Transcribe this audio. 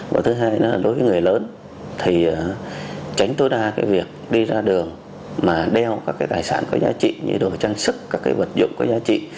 và thứ hai là đối với người lớn thì tránh tối đa cái việc đi ra đường mà đeo các cái tài sản có giá trị như đồ trang sức các cái vật dụng có giá trị